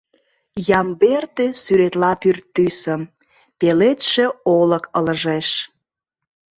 Ямбердэ сӱретла пӱртӱсым: Пеледше олык ылыжеш.